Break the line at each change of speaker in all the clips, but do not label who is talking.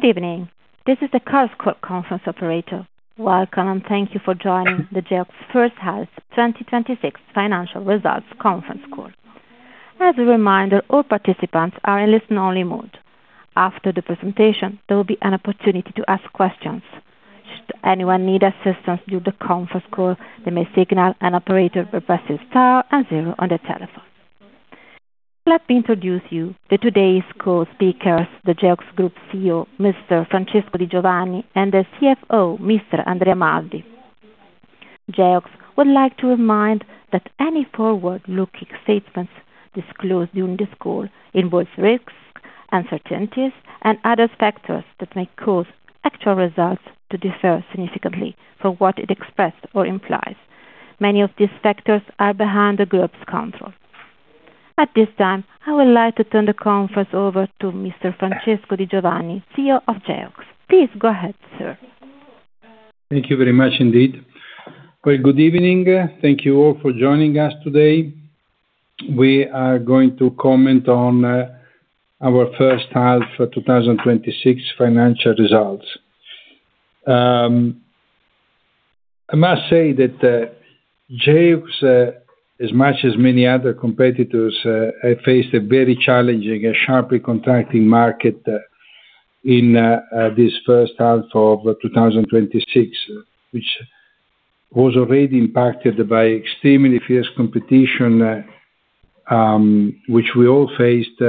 Good evening. This is the conference call operator. Welcome, and thank you for joining the Geox first half 2026 financial results conference call. As a reminder, all participants are in listen only mode. After the presentation, there will be an opportunity to ask questions. Should anyone need assistance during the conference call, they may signal an operator by pressing star and zero on their telephone. Let me introduce you to today's call speakers, the Geox Group CEO, Mr. Francesco Di Giovanni, and the CFO, Mr. Andrea Maldi. Geox would like to remind that any forward-looking statements disclosed during this call involve risks, uncertainties, and other factors that may cause actual results to differ significantly from what it expressed or implies. Many of these factors are behind the group's control. At this time, I would like to turn the conference over to Mr. Francesco Di Giovanni, CEO of Geox. Please go ahead, sir.
Thank you very much indeed. Well, good evening. Thank you all for joining us today. We are going to comment on our first half of 2026 financial results. I must say that Geox, as much as many other competitors, have faced a very challenging and sharply contracting market in this first half of 2026, which was already impacted by extremely fierce competition, which we all faced,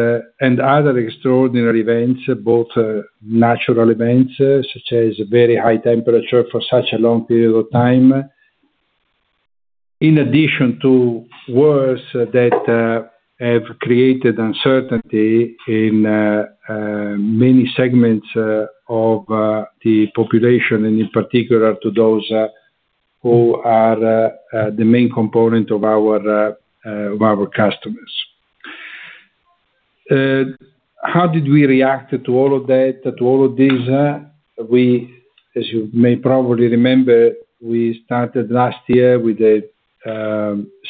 and other extraordinary events, both natural events, such as very high temperature for such a long period of time. In addition to wars that have created uncertainty in many segments of the population, and in particular to those who are the main component of our customers. How did we react to all of that? To all of this? We, as you may probably remember, we started last year with a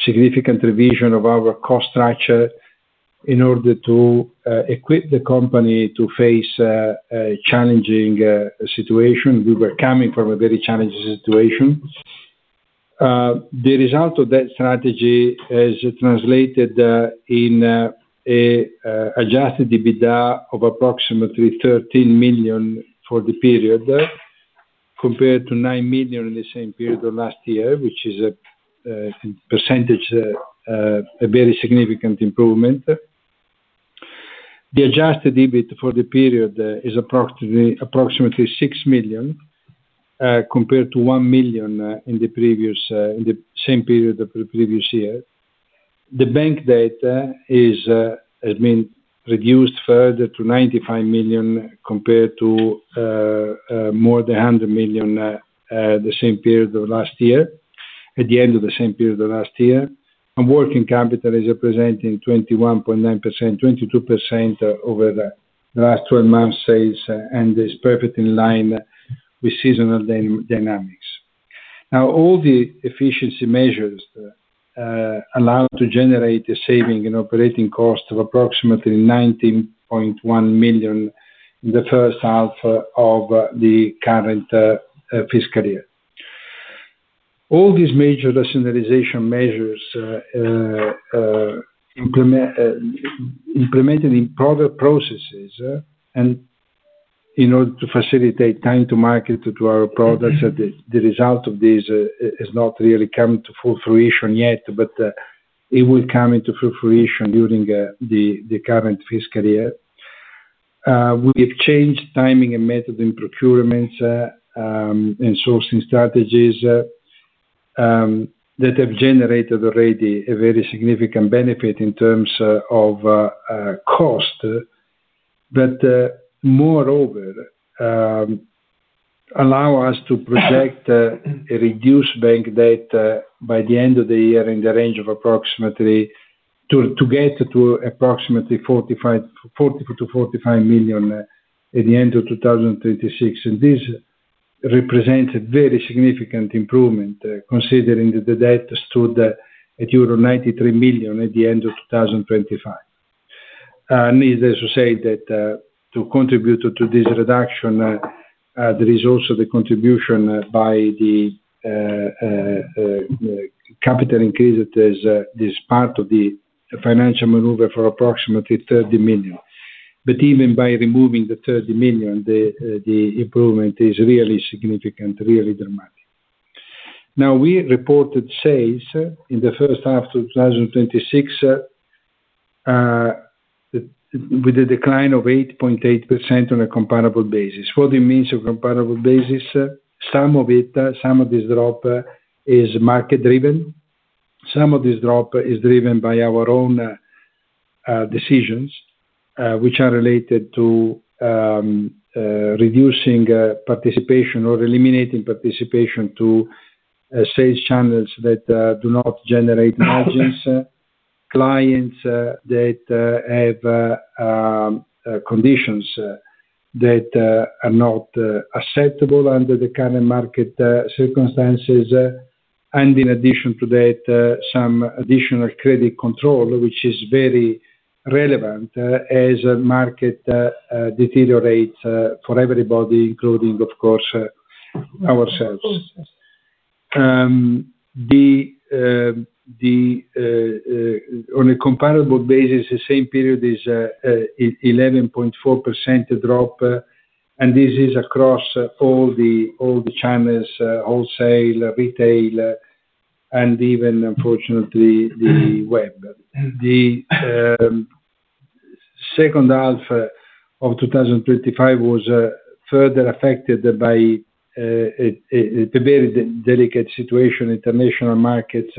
significant revision of our cost structure in order to equip the company to face a challenging situation. We were coming from a very challenging situation. The result of that strategy has translated in an adjusted EBITDA of approximately 13 million for the period, compared to 9 million in the same period of last year, which is a percentage, a very significant improvement. The adjusted EBIT for the period is approximately 6 million, compared to 1 million in the same period of the previous year. The bank debt has been reduced further to 95 million compared to more than 100 million at the same period of last year, at the end of the same period of last year. Working capital is representing 21.9%, 22% over the last 12 months sales, and is perfectly in line with seasonal dynamics. All the efficiency measures allow to generate a saving in operating cost of approximately 19.1 million in the first half of the current fiscal year. All these major decentralization measures implemented in product processes and in order to facilitate time to market to our products, the result of this has not really come to full fruition yet, but it will come into full fruition during the current fiscal year. We have changed timing and method in procurements and sourcing strategies that have generated already a very significant benefit in terms of cost, but moreover, allow us to project a reduced bank debt by the end of the year in the range of approximately, to get to approximately 40 million-45 million at the end of 2026. This represents a very significant improvement considering that the debt stood at euro 93 million at the end of 2025. Needless to say that, to contribute to this reduction, there is also the contribution by the capital increase. There is this part of the financial maneuver for approximately 30 million. Even by removing the 30 million, the improvement is really significant, really dramatic. We reported sales in the first half of 2026, with a decline of 8.8% on a comparable basis. What it means on comparable basis? Some of this drop is market driven. Some of this drop is driven by our own decisions, which are related to reducing participation or eliminating participation to sales channels that do not generate margins, clients that have conditions that are not acceptable under the current market circumstances. In addition to that, some additional credit control, which is very relevant as a market deteriorates for everybody, including, of course, ourselves. On a comparable basis, the same period is 11.4% drop, and this is across all the channels, wholesale, retail, and even unfortunately, the .com. The second half of 2025 was further affected by the very delicate situation international markets,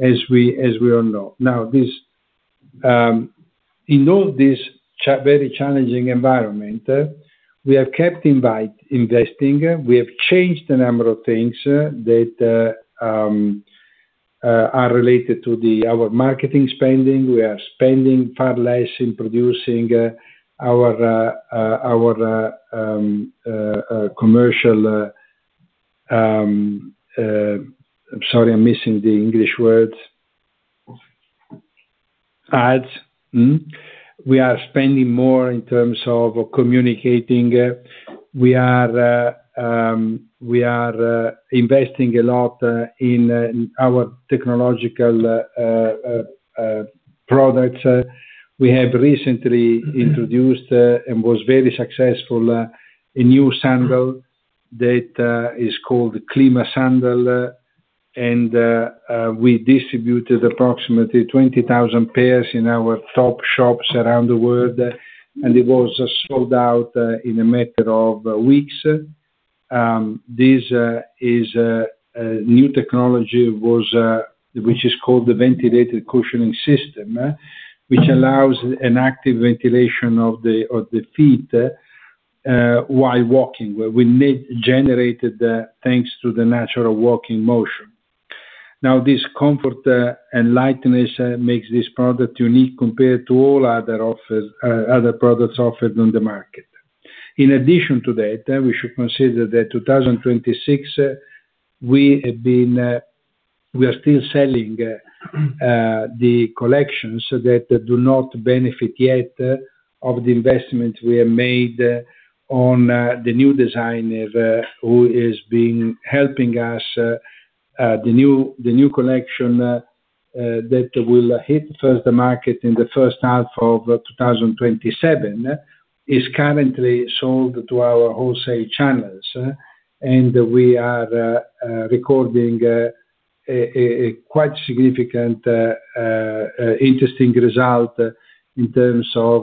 as we all know. In all this very challenging environment, we have kept investing. We have changed a number of things that are related to our marketing spending. We are spending far less in producing our commercial ads. We are spending more in terms of communicating. We are investing a lot in our technological products. We have recently introduced, and was very successful, a new sandal that is called the Climasandal, and we distributed approximately 20,000 pairs in our top shops around the world, and it was sold out in a matter of weeks. This is a new technology, which is called the Ventilated Cushioning System, which allows an active ventilation of the feet while walking, where wind is generated, thanks to the natural walking motion. This comfort and lightness makes this product unique compared to all other products offered on the market. In addition to that, we should consider that 2026, we are still selling the collections that do not benefit yet of the investment we have made on the new designer, who is helping us. The new collection that will hit first the market in the first half of 2027 is currently sold to our wholesale channels. We are recording a quite significant, interesting result in terms of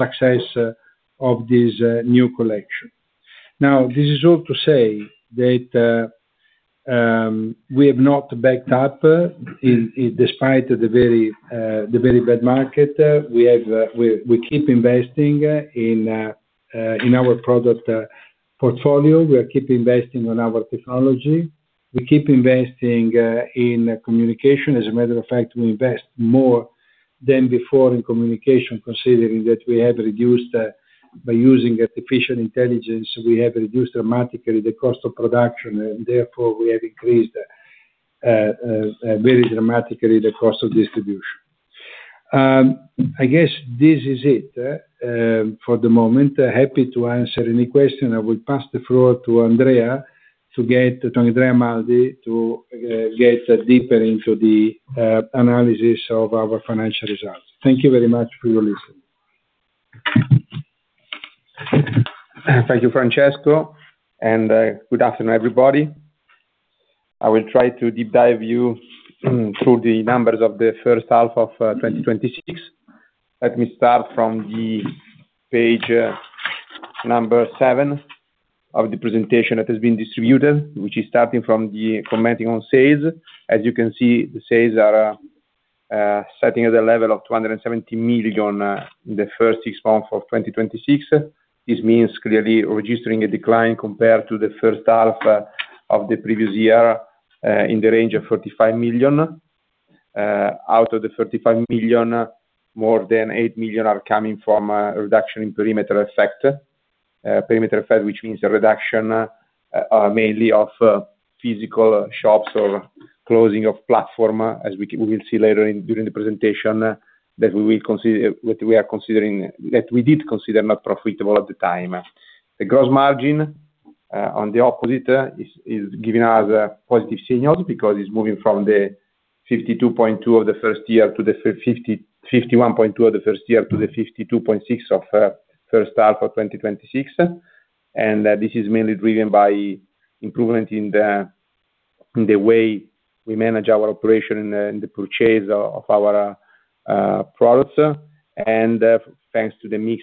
success of this new collection. This is all to say that we have not backed up despite the very bad market. We keep investing in our product portfolio. We are keep investing on our technology. We keep investing in communication. As a matter of fact, we invest more than before in communication, considering that by using artificial intelligence, we have reduced dramatically the cost of production, and therefore we have increased very dramatically the cost of distribution. I guess this is it for the moment. Happy to answer any question. I will pass the floor to Andrea Maldi to get deeper into the analysis of our financial results. Thank you very much for your listen.
Thank you, Francesco. Good afternoon, everybody. I will try to deep dive you through the numbers of the first half of 2026. Let me start from the page number seven of the presentation that has been distributed, which is starting from the commenting on sales. As you can see, the sales are sitting at a level of 270 million in the first six months of 2026. This means clearly registering a decline compared to the first half of the previous year, in the range of 35 million. Out of the 35 million, more than 8 million are coming from a reduction in perimeter effect. Perimeter effect, which means a reduction mainly of physical shops or closing of platform, as we will see later during the presentation, that we did consider not profitable at the time. The gross margin, on the opposite, is giving us positive signals because it's moving from the 51.2% of the first year to the 52.6% of first half of 2026. This is mainly driven by improvement in the way we manage our operation and the purchase of our products. Thanks to the mix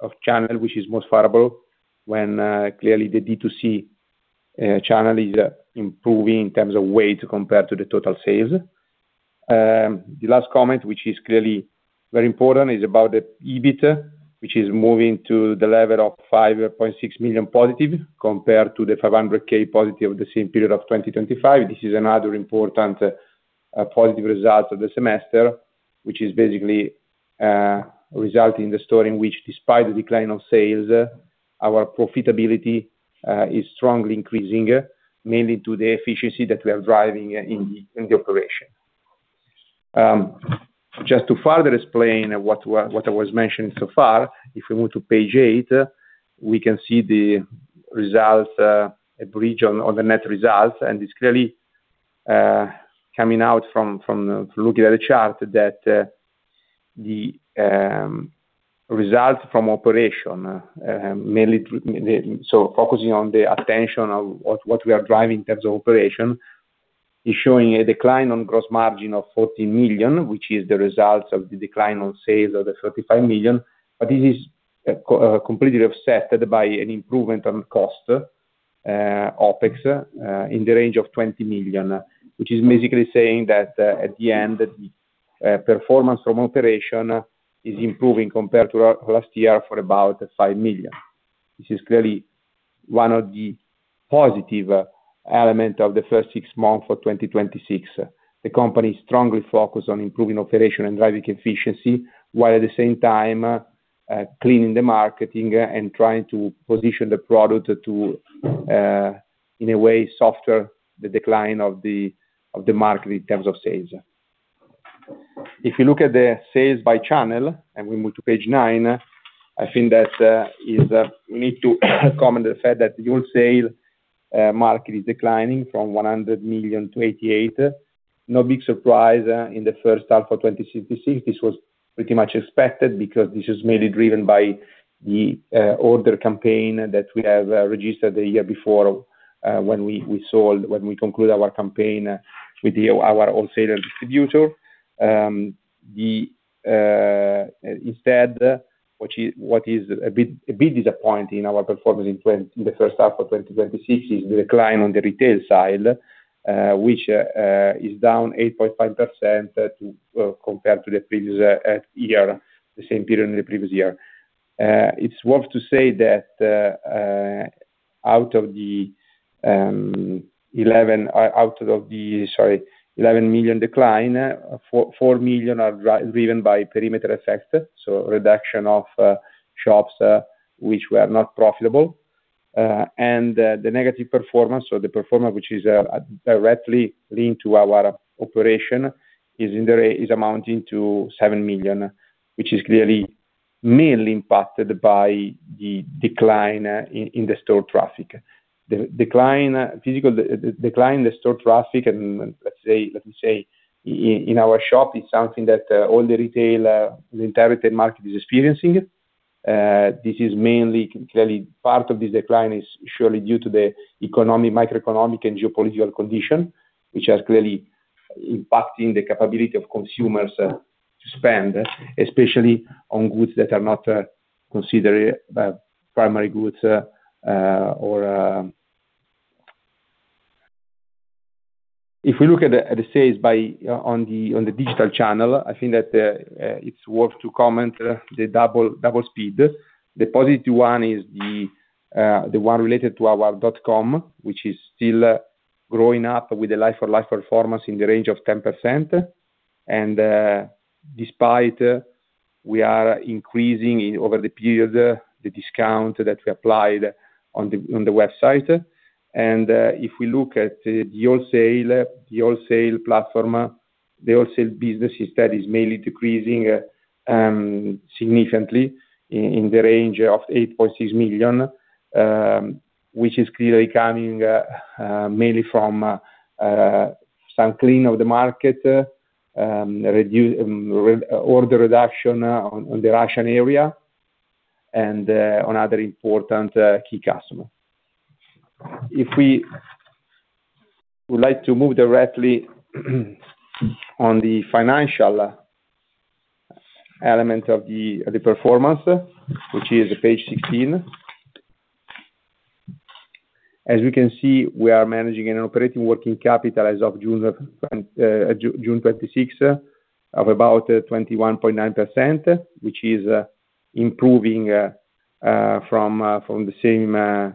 of channel, which is most favorable when clearly the D2C channel is improving in terms of weight compared to the total sales. The last comment, which is clearly very important, is about the EBIT, which is moving to the level of +5.6 million compared to the +500,000 the same period of 2025. This is another important positive result of the semester, which is basically a result in the sense in which despite the decline of sales, our profitability is strongly increasing, mainly to the efficiency that we are driving in the operation. Just to further explain what I was mentioning so far, if we move to page eight, we can see the results, a bridge on the net results. It's clearly coming out from looking at the chart that the results from operation, so focusing on the attention of what we are driving in terms of operation, is showing a decline on gross margin of 40 million, which is the result of the decline on sales of the 35 million. This is completely offset by an improvement on cost, OpEx, in the range of 20 million, which is basically saying that at the end, the performance from operation is improving compared to last year for about 5 million. This is clearly one of the positive element of the first six months for 2026. The company is strongly focused on improving operation and driving efficiency, while at the same time, cleaning the marketing and trying to position the product to, in a way, softer the decline of the market in terms of sales. If you look at the sales by channel, we move to page nine, I think that we need to comment the fact that wholesale market is declining from 100 million-88 million. No big surprise in the first half of 2026. This was pretty much expected because this is mainly driven by the order campaign that we have registered the year before, when we conclude our campaign with our own sales distributor. Instead, what is a bit disappointing in our performance in the first half of 2026 is the decline on the retail side, which is down 8.5% compared to the previous year, the same period in the previous year. It's worth to say that out of the 11 million decline, 4 million are driven by perimeter effect, so reduction of shops which were not profitable. The negative performance, so the performance which is directly linked to our operation, is amounting to 7 million, which is clearly mainly impacted by the decline in the store traffic. The physical decline in the store traffic, and let me say, in our shop, it's something that all the retail, the entire retail market is experiencing. Clearly, part of this decline is surely due to the macroeconomic and geopolitical condition, which has clearly impacted the capability of consumers to spend, especially on goods that are not considered primary goods. If we look at the sales on the digital channel, I think that it's worth to comment the double speed. The positive one is the one related to our .com, which is still growing up with the like-for-like performance in the range of 10%. Despite we are increasing over the period, the discount that we applied on the website. If we look at the wholesale platform, the wholesale business instead is mainly decreasing significantly in the range of 8.6 million, which is clearly coming mainly from some clean of the market, order reduction on the Russian area, and on other important key customer. If we would like to move directly on the financial element of the performance, which is page 16. As we can see, we are managing an operating working capital as of June 2026 of about 21.9%, which is improving from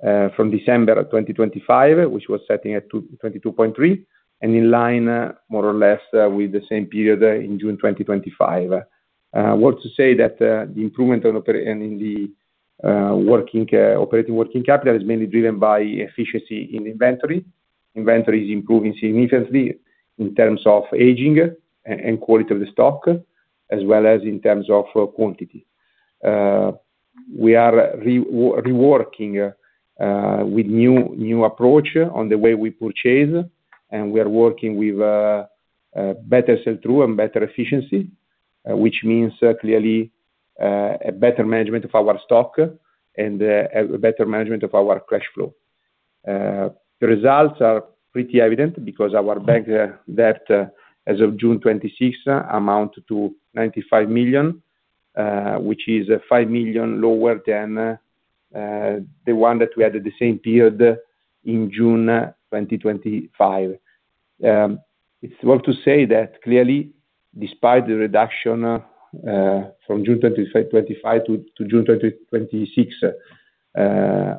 December of 2025, which was sitting at 22.3%, and in line more or less with the same period in June 2025. Worth to say that the improvement in the operating working capital is mainly driven by efficiency in inventory. Inventory is improving significantly in terms of aging and quality of the stock, as well as in terms of quantity. We are reworking with new approach on the way we purchase, and we are working with better sell-through and better efficiency, which means clearly a better management of our stock and a better management of our cash flow. The results are pretty evident because our bank debt as of June 2026 amount to 95 million, which is 5 million lower than the one that we had at the same period in June 2025. Despite the reduction from June 2025 to June 2026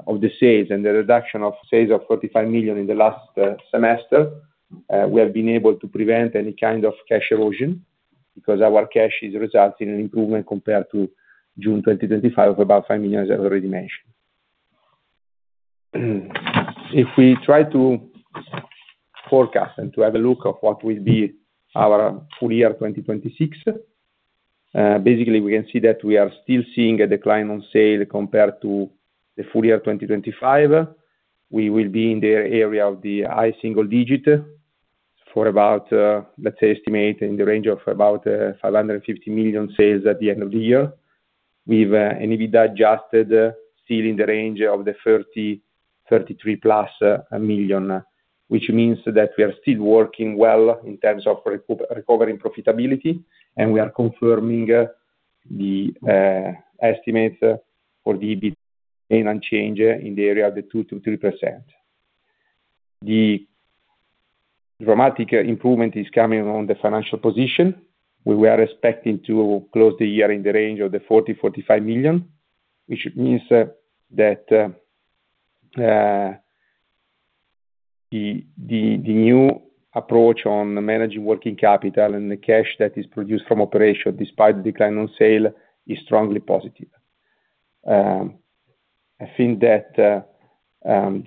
of the sales and the reduction of sales of 45 million in the last semester, we have been able to prevent any kind of cash erosion because our cash is resulting in improvement compared to June 2025 of about 5 million, as I already mentioned. If we try to forecast and to have a look of what will be our full year 2026, basically we can see that we are still seeing a decline on sale compared to the full year 2025. We will be in the area of the high single-digit for about, let's say, estimate in the range of about 550 million in sales at the end of the year. We've EBITDA adjusted still in the range of the 30 million-+33 million, which means that we are still working well in terms of recovering profitability, and we are confirming the estimates for the EBIT remain unchanged in the area of the 2%-3%. The dramatic improvement is coming on the financial position, where we are expecting to close the year in the range of the 40 million-45 million, which means that the new approach on managing working capital and the cash that is produced from operation, despite the decline on sale, is strongly positive. I think that the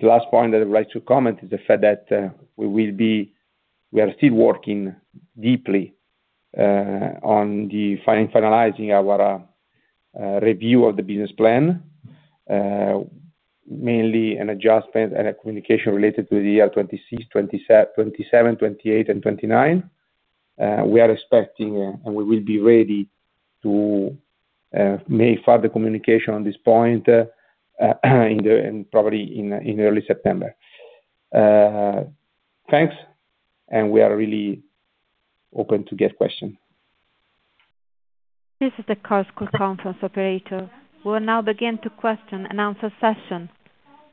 last point that I'd like to comment is the fact that we are still working deeply on finalizing our review of the business plan. Mainly an adjustment and a communication related to the year 2026, 2027, 2028, and 2029. We are expecting, and we will be ready to make further communication on this point, probably in early September. Thanks. We are really open to guest questions.
This is the call conference operator. We will now begin to Q&A session.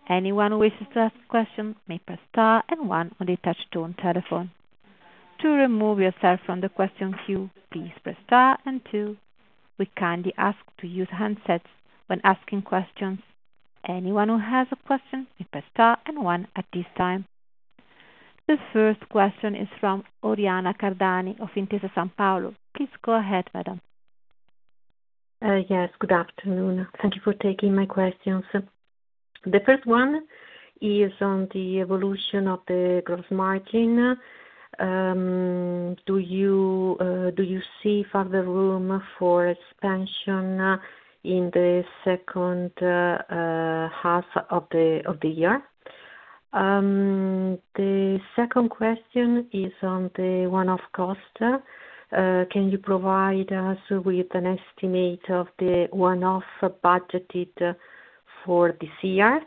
Anyone who wishes to ask a question may press star one on the touch-tone telephone. To remove yourself from the question queue, please press star two. We kindly ask to use handsets when asking questions. Anyone who has a question, may press star one at this time. The first question is from Oriana Cardani of Intesa Sanpaolo. Please go ahead, madam.
Yes. Good afternoon. Thank you for taking my questions. The first one is on the evolution of the gross margin. Do you see further room for expansion in the second half of the year? The second question is on the one-off cost. Can you provide us with an estimate of the one-off budgeted for this year?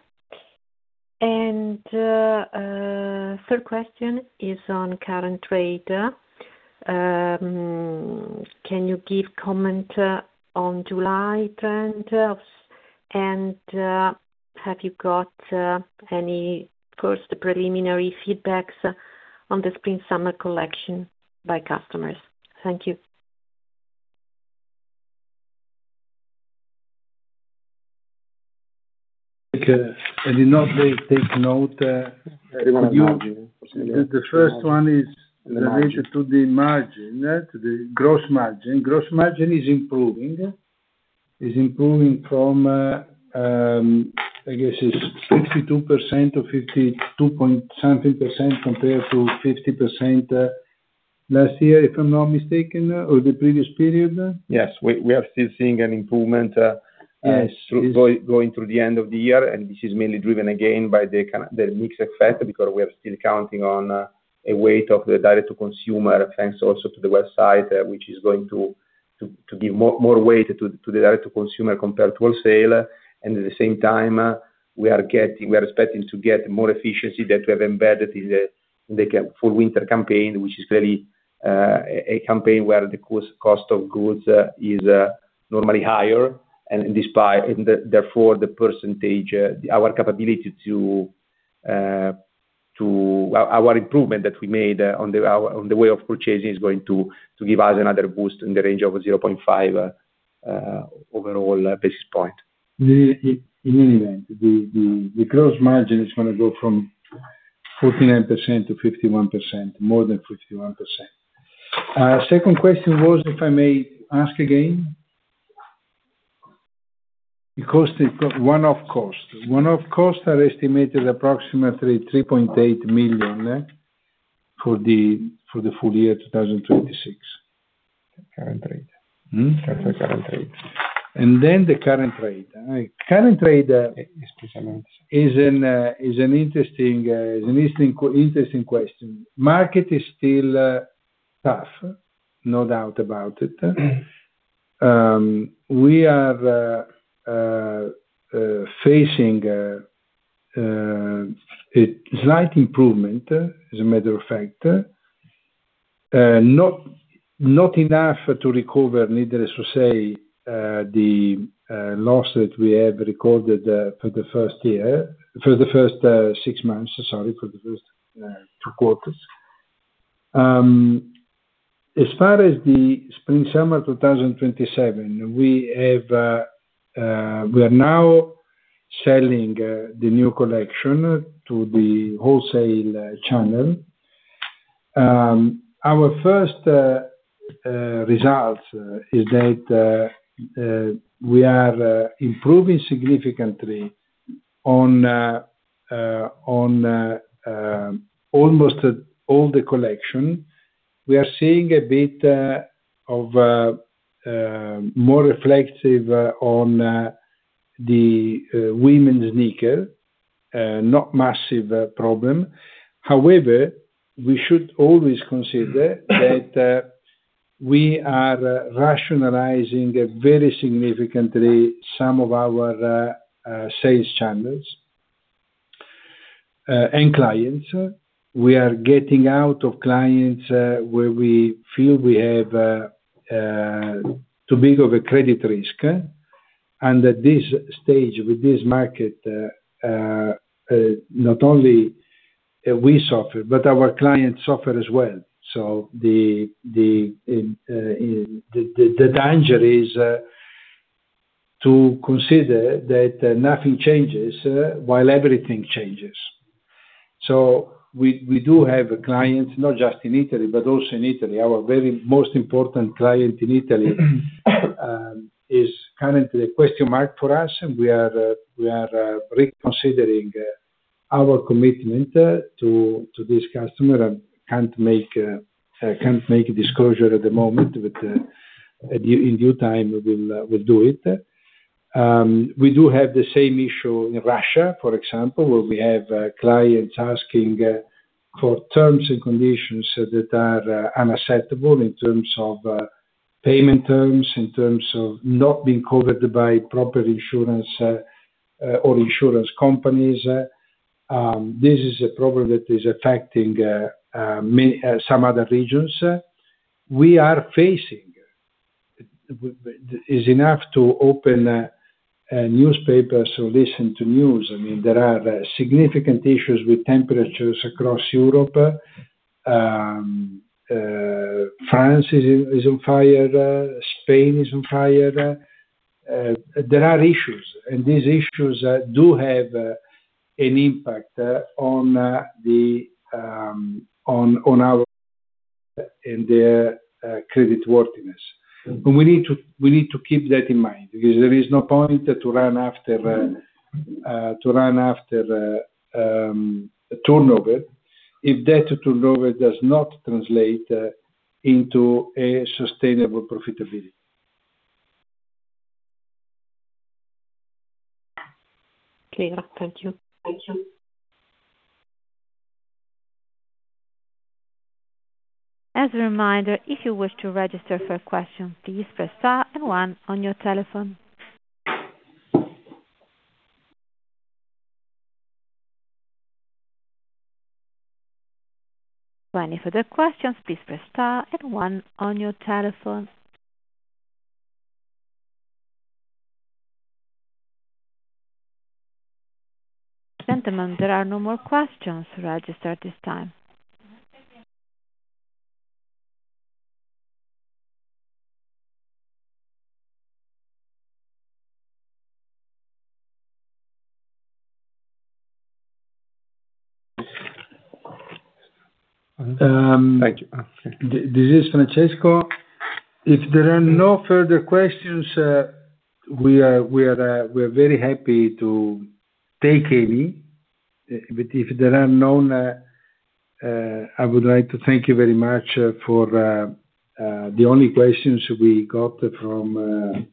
Third question is on current trade. Can you give comment on July trends? Have you got any first preliminary feedbacks on the spring/summer collection by customers? Thank you.
I did not really take note.
The one on margin.
The first one is related to the margin, to the gross margin. Gross margin is improving. Is improving from, I guess it's 52% to 52 point something percent compared to 50% last year, if I'm not mistaken, or the previous period.
Yes, we are still seeing an improvement-
Yes.
going through the end of the year. This is mainly driven again by the mix effect because we are still counting on a weight of the direct to consumer, thanks also to the website, which is going to give more weight to the direct to consumer compared to wholesale. At the same time, we are expecting to get more efficiency that we have embedded in the full winter campaign, which is really a campaign where the cost of goods is normally higher and therefore the percentage, our improvement that we made on the way of purchasing is going to give us another boost in the range of 0.5 overall basis point.
In any event, the gross margin is going to go from 49%-51%, more than 51%. Second question was, if I may ask again. The one-off costs. One-off costs are estimated approximately 3.8 million for the full year 2026.
Current rate. Current rate.
The current rate.
Excuse me one second.
Current rate is an interesting question. Market is still tough, no doubt about it. We are facing a slight improvement, as a matter of fact. Not enough to recover, needless to say, the loss that we have recorded for the first six months, sorry, for the first two quarters. As far as the spring-summer 2027, we are now selling the new collection to the wholesale channel. Our first result is that we are improving significantly on almost all the collection. We are seeing a bit of more reflective on the women's sneaker, not massive problem. However, we should always consider that we are rationalizing very significantly some of our sales channels and clients. We are getting out of clients where we feel we have too big of a credit risk. At this stage, with this market, not only we suffer, but our clients suffer as well. The danger is to consider that nothing changes while everything changes. We do have clients, not just in Italy, but also in Italy. Our very most important client in Italy is currently a question mark for us, and we are reconsidering our commitment to this customer. I can't make a disclosure at the moment, but in due time, we'll do it. We do have the same issue in Russia, for example, where we have clients asking for terms and conditions that are unacceptable in terms of payment terms, in terms of not being covered by proper insurance or insurance companies. This is a problem that is affecting some other regions we are facing. It's enough to open a newspaper, listen to news. There are significant issues with temperatures across Europe. France is on fire. Spain is on fire. There are issues, these issues do have an impact on our and their creditworthiness. We need to keep that in mind because there is no point to run after turnover if that turnover does not translate into a sustainable profitability.
Clear. Thank you.
As a reminder, if you wish to register for a question, please press star and one on your telephone. For any further questions, please press star and one on your telephone. Gentlemen, there are no more questions registered at this time.
Thank you. This is Francesco. If there are no further questions, we are very happy to take any. If there are none, I would like to thank you very much for the only questions we got from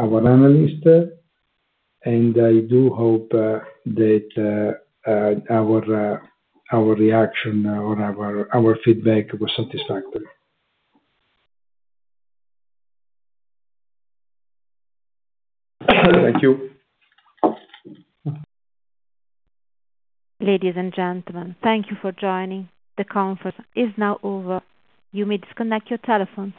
our analyst. I do hope that our reaction or our feedback was satisfactory.
Thank you. Ladies and gentlemen, thank you for joining. The conference is now over. You may disconnect your telephones